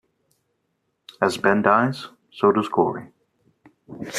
As Ben dies, so does Glory.